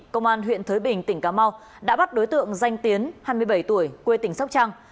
công an huyện thới bình tỉnh cà mau đã bắt đối tượng danh tiến hai mươi bảy tuổi quê tỉnh sóc trăng